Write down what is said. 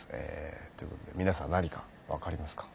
ということで皆さん何か分かりますか？